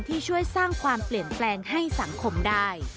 ที่ช่วยสร้างความเปลี่ยนแปลงให้สังคมได้